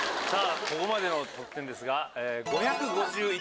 ここまでの得点ですが。